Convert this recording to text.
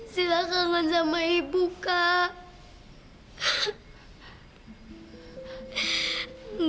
sila kangen sama ibu kak